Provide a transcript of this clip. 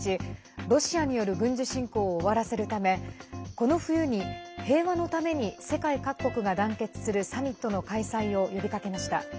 ロシアによる軍事侵攻を終わらせるためこの冬に平和のために世界各国が団結するサミットの開催を呼びかけました。